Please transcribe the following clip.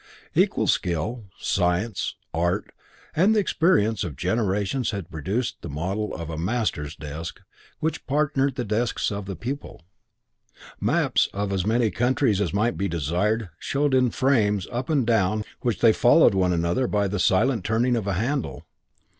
Equal skill, science, art, and the experience of generations had produced the model of a master's desk which partnered the desks of the pupil. Maps of as many countries as might be desired showed in frames up and down which they followed one another by the silent turning of a handle.